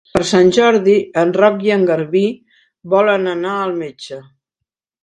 Per Sant Jordi en Roc i en Garbí volen anar al metge.